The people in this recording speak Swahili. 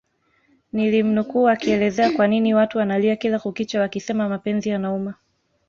nilimnukuu akielezea kwanini watu wanalia kila kukicha wakisema mapenzi yanauma